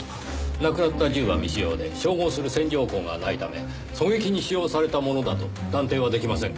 なくなった銃は未使用で照合する線条痕がないため狙撃に使用されたものだと断定は出来ませんが。